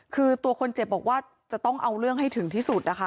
คือตัวคนเจ็บบอกว่าจะต้องเอาเรื่องให้ถึงที่สุดนะคะ